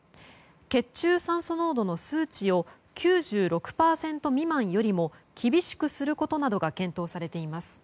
血中酸素濃度の数値を９６％未満よりも厳しくすることなどが検討されています。